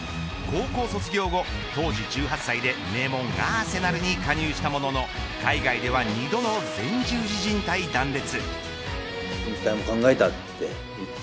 高校卒業後当時１８歳で名門アーセナルに加入したものの海外では２度の前十字靭帯断裂。